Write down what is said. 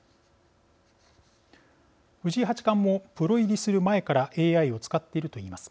藤井八冠もプロ入りする前からＡＩを使っていると言います。